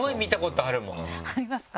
ありますか？